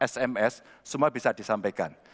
sms semua bisa disampaikan